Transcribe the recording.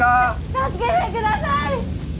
・助けてください